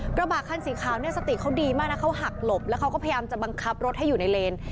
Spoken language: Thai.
กระบะคันสีขาวเนี่ยสติเขาดีมากนะเขาหักหลบแล้วเขาก็พยายามจะบังคับรถให้อยู่ในเลน